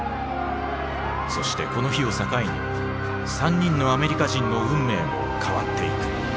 そしてこの日を境に３人のアメリカ人の運命も変わっていく。